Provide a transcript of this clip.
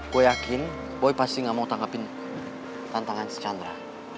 gue yakin boy pasti gak mau tanggapin tantangan si chandra